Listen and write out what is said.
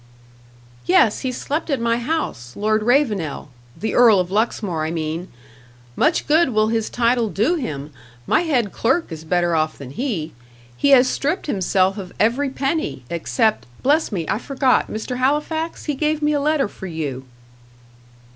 "Yes, he slept at my house Lord Ravenel, the Earl of Luxmore, I mean. Much good will his title do him! My head clerk is better off than he. He has stripped himself of every penny, except bless me, I forgot; Mr. Halifax, he gave me a letter for you."